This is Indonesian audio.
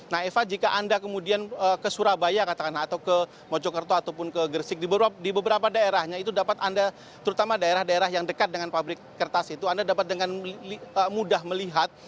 nah eva jika anda kemudian ke surabaya katakan atau ke mojokerto ataupun ke gersik di beberapa daerahnya itu dapat anda terutama daerah daerah yang dekat dengan pabrik kertas itu anda dapat dengan mudah melihat